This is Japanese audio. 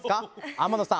天野さん